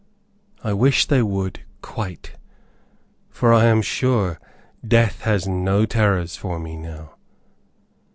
I wish they would QUITE, for I am sure death has no terrors for me now.